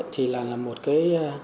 thì là một cái